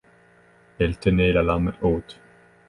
Elle tenait la lame haute.